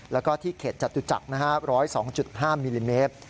แล้วก็ที่เขตจตุจักร๑๐๒๕มิลลิเมตร